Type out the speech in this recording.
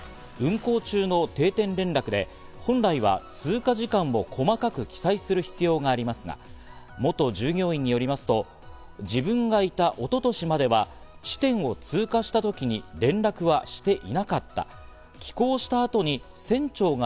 運航中の定点連絡で本来は通過時間を細かく記載する必要がありますが、元従業員によりますと、自分がいた一昨年までは地点を通過したときに連絡はしていなかった。